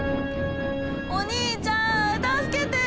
お兄ちゃん助けて！